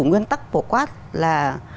nguyên tắc bổ quát là